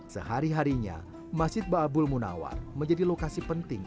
sehari harinya masjid ba'abul munawar menjadi lokasi penting